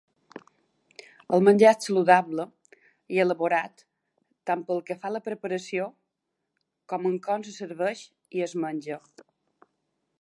El menjar és saludable i elaborat tant pel que fa a la preparació com en com se serveix i es menja.